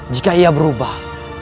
jika ia berubah